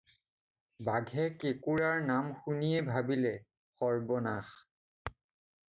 "বাঘে কেঁকোৰাৰ নাম শুনিয়েই ভাবিলে- "সৰ্বনাশ!"